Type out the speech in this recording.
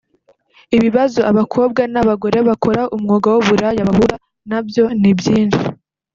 Ibibazo abakobwa n’abagore bakora umwuga w’uburaya bahura nabyo ni byinshi